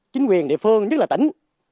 chính quyền địa phương nhất là tỉnh